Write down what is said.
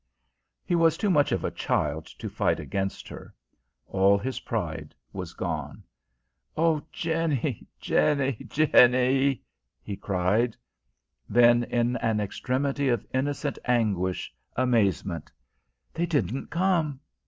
He was too much of a child to fight against her: all his pride was gone. "Oh, Jenny, Jenny, Jenny!" he cried; then, in an extremity of innocent anguish, amazement "They didn't come!